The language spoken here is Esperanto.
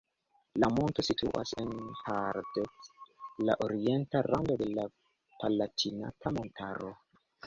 La monto situas en Haardt, la orienta rando de la Palatinata montaro.